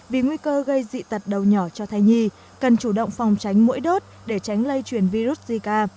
vì nguy cơ gây dị tật đầu nhỏ cho thai nhi cần chủ động phòng tránh mũi đốt để tránh lây truyền virus zika